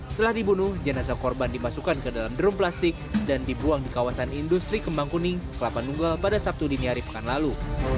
setelah dibunuh jenazah korban dipasukkan ke dalam drum plastik dan dibuang di kawasan industri kembang kuning kelapanunggal pada sabtu di nyari pekan lalu